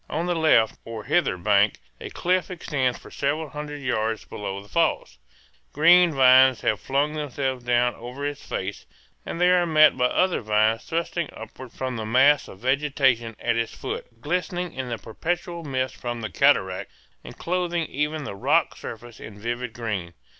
On the left or hither bank a cliff extends for several hundred yards below the falls. Green vines have flung themselves down over its face, and they are met by other vines thrusting upward from the mass of vegetation at its foot, glistening in the perpetual mist from the cataract, and clothing even the rock surfaces in vivid green.